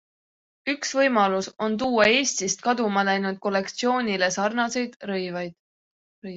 Üks võimalus on tuua Eestist kaduma läinud kollektsioonile sarnaseid rõivad.